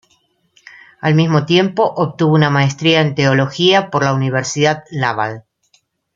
Al mismo tiempo obtuvo una Maestría en Teología por la Universidad Laval.